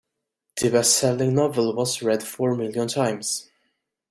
The bestselling novel was read four million times.